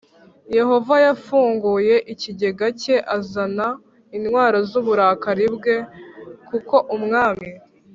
Yehova yafunguye ikigega cye azana intwaro z uburakari bwe kuko umwami